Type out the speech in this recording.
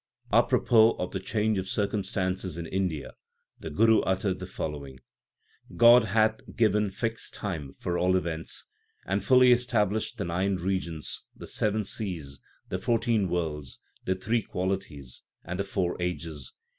1 A propos of the change of circumstances in India the Guru uttered the following : God hath given fixed time for all events, and fully estab lished the nine regions, the seven seas, the fourteen worlds, 2 the three qualities, and the four ages.